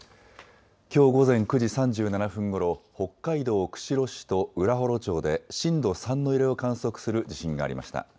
きょう午前９時３７分ごろ、北海道釧路市と浦幌町で震度３の揺れを観測する地震がありました。